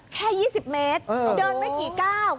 แค่๒๐เมตรเดินไม่กี่ก้าว